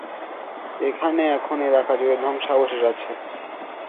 এখানে এখন এলাকা জুড়ে ধ্বংসাবশেষ আছে।